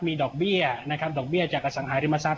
มีดอกเบี้ยนะครับดอกเบี้ยจากอสังหาริมทรัพ